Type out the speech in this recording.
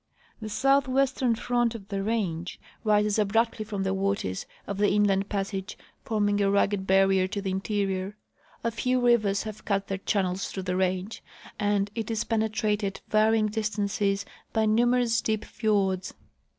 The southwestern front of the range rises abruptly from the waters of the inland passage, forming a rugged barrier to the interior. A few rivers have cut their channels through the range, and it is penetrated varying distances by numerous deep fiords.